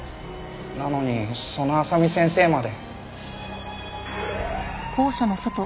なのにその麻美先生まで。